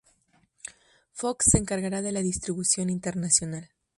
Fox se encargará de la distribución internacional.